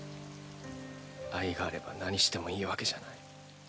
愛があれば何してもいいわけじゃない。